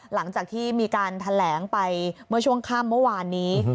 หลังจากที่มีการแถลงไปเมื่อช่วงค่ำเมื่อวานนี้